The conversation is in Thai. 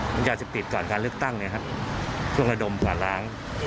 มันก็จะปิดก่อนการลึกตั้งช่วงระดมกวาดล้าง